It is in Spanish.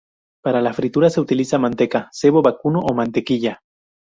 Para la fritura se utiliza manteca, sebo vacuno o mantequilla.